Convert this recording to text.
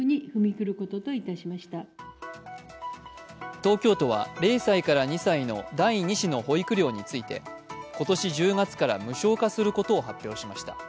東京都は０歳から２歳の第２子の保育料について、今年１０月から無償化することを発表しました。